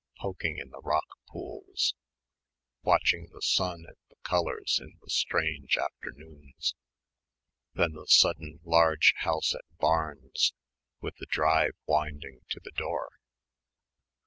poking in the rock pools, watching the sun and the colours in the strange afternoons ... then the sudden large house at Barnes with the "drive" winding to the door....